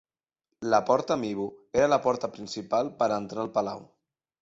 La porta Mibu era la porta principal per entrar al palau.